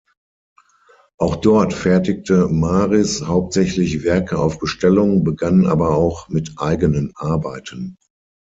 Auch dort fertigte Maris hauptsächlich Werke auf Bestellung, begann aber auch mit eigenen Arbeiten.